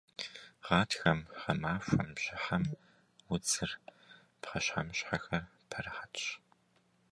Гъатхэм, гъэмахуэм, бжьыхьэм удзыр, пхъэщхьэмыщхьэхэр пэрыхьэтщ.